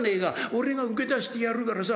俺が請け出してやるからさ。